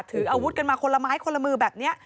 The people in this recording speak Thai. ถืออาวุธกันมาคนละไม้คนละมือแบบนี้